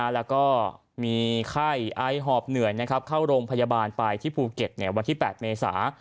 แล้วก็มีไข้ไอหอบเหนื่อยเข้าโรงพยาบาลไปที่ภูเก็ตวันที่๘เมษา